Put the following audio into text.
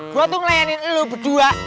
gue tuh ngelayanin lo berdua